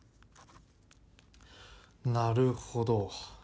なるほど。